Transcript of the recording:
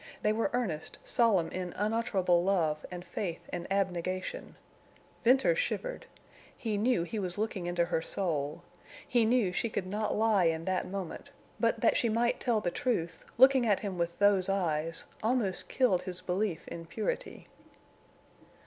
They were earnest, solemn in unutterable love and faith and abnegation. Venters shivered. He knew he was looking into her soul. He knew she could not lie in that moment; but that she might tell the truth, looking at him with those eyes, almost killed his belief in purity.